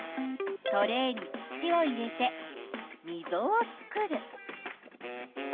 トレーに土を入れてみぞを作る。